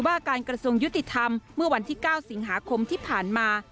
ว่าการกระทรวงยุติธรรมเมื่อวันที่๙สิงหาคมที่ผ่านมา